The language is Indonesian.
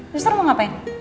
suster mau ngapain